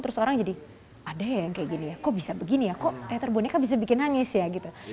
terus orang jadi ada ya yang kayak gini ya kok bisa begini ya kok teater boneka bisa bikin nangis ya gitu